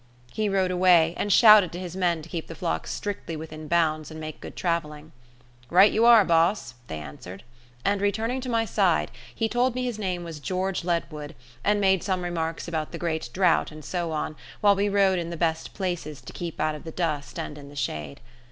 He rode away, and shouted to his men to keep the flock strictly within bounds and make good travelling. "Right you are, boss," they answered; and returning to my side he told me his name was George Ledwood, and made some remarks about the great drought and so on, while we rode in the best places to keep out of the dust and in the shade.